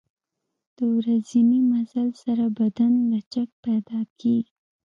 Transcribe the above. د ورځني مزل سره بدن لچک پیدا کېږي.